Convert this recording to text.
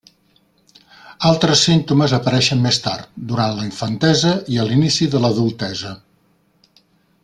Altres símptomes apareixen més tard, durant la infantesa i a l'inici de l'adultesa.